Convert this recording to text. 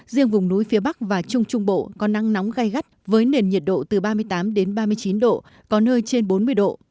riêng vùng núi phía bắc và trung trung bộ có nắng nóng gai gắt với nền nhiệt độ từ ba mươi tám đến ba mươi chín độ có nơi trên bốn mươi độ